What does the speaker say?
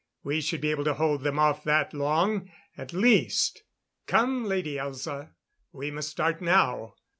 We should be able to hold them off that long at least. Come, Lady Elza. We must start now."